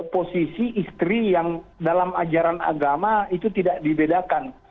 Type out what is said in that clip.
posisi istri yang dalam ajaran agama itu tidak dibedakan